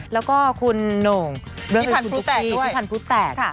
แล้วก็คุณหนกมาร์คมี้คุณถูกพีคุณพันธุ์พูแตกด้วย